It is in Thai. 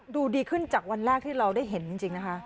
ดูดีขึ้นจากวันแรกที่เราได้เห็นจริงนะคะ